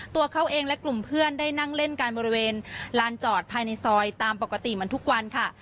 ตัวเขาเองและกลุ่มเพื่อนได้นั่งเล่นกันบริเวณลานจอดภายในซอยตามปกติเหมือนทุกวันค่ะ